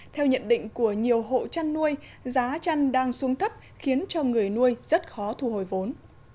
theo nhận định của nhiều hộ chăn nuôi giá chăn đang xuống thấp khiến cho người nuôi rất khó thu hồi vốn